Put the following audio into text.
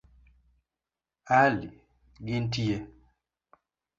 Ali, gintie.